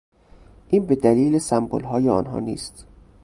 این به دلیل سمبلهای آنها نیست